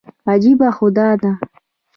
عجیبه خو دا ده.